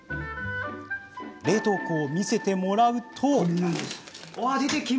冷凍庫を見せてもらうと。